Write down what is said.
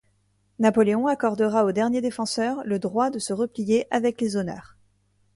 Napoléon accordera aux derniers défenseurs le droit de se replier avec les honneurs.